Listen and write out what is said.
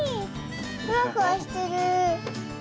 ふわふわしてる。